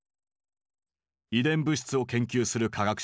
遺伝物質を研究する科学者